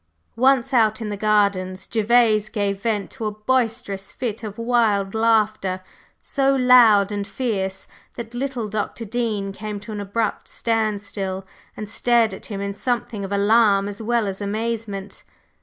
Once out in the grounds, Gervase gave vent to a boisterous fit of wild laughter, so loud and fierce that little Dr. Dean came to an abrupt standstill, and stared at him in something of alarm as well as amazement.